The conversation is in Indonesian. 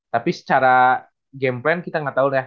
tapi secara game plan kita ga tau ya